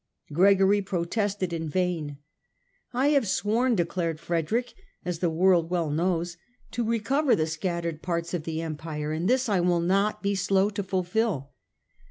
Gregory protested in vain. " I have sworn," declared Frederick, " as the world well knows, to recover the scattered parts of the Empire, and this I will not be slow to fulfil."